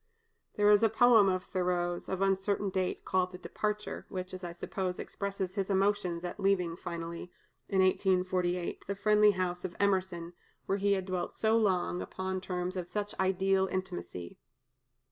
There is a poem of Thoreau's, of uncertain date, called "The Departure," which, as I suppose, expresses his emotions at leaving finally, in 1848, the friendly house of Emerson, where he had dwelt so long, upon terms of such ideal intimacy.